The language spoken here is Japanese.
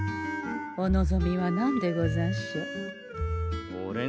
お望みは何でござんしょう。